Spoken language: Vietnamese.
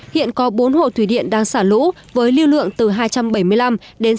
hiện có bốn hộ thủy điện đang xả lũ với lưu lượng từ hai trăm bảy mươi năm đến sáu trăm tám mươi tám m ba trên dân